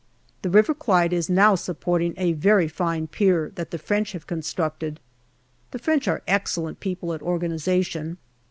The River Clyde is now supporting a very fine pier that the French have .constructed. The French are excellent people at organization.